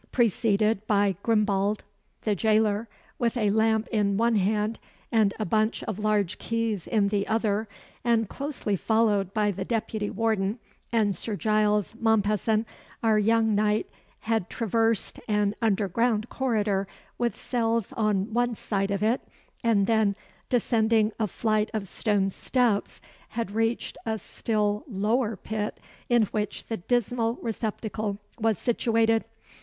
Preceded by Grimbald the jailer, with a lamp in one hand and a bunch of large keys in the other, and closely followed by the deputy warden and Sir Giles Mompesson, our young knight had traversed an underground corridor with cells on one side of it, and then, descending a flight of stone steps, had reached a still lower pit, in which the dismal receptacle was situated.